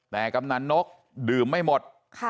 แต่กำนันนกดื่มไม่หมด